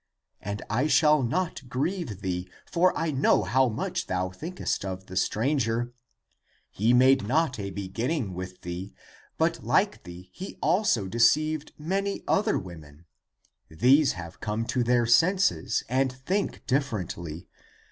And I shall not grieve thee, for I know how much thou thinkest of the stranger. He made not a beginning with thee, but like thee he also deceived many other women. These have come to their senses and think differently.